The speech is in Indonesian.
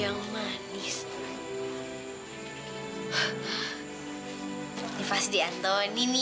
apaan sih ini